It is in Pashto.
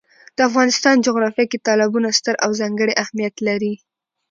د افغانستان جغرافیه کې تالابونه ستر او ځانګړی اهمیت لري.